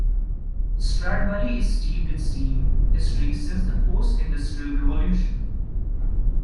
Stradbally is steeped in steam history since the post industrial revolution.